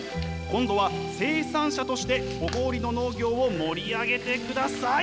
今度は生産者として小郡の農業を盛り上げてください。